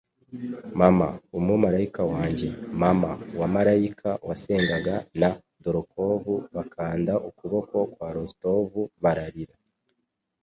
Mama, umumarayika wanjye, mama wamarayika wasengaga, na Dolokhov bakanda ukuboko kwa Rostov bararira.